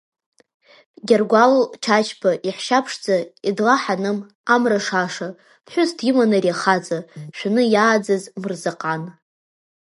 Гьаргәал Чачба иаҳәшьа ԥшӡа, едла-Ҳаным, амра шаша, ԥҳәысс диман ари ахаҵа, шәаны иааӡаз Мырзаҟан.